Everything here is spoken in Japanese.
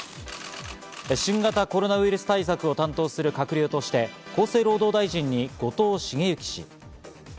新型コロナ対策を担当する閣僚として厚生労働大臣に後藤茂之氏。